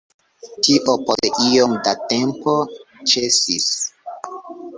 Tio post iom da tempo ĉesis.